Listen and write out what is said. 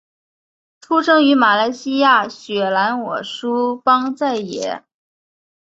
出生于马来西亚雪兰莪梳邦再也。